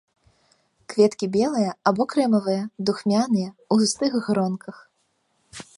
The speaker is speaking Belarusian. Кветкі белыя або крэмавыя, духмяныя, у густых гронках.